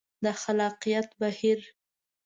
د خلاقیت بهیر